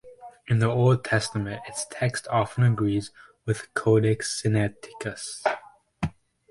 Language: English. In the Old Testament its text often agrees with Codex Sinaiticus.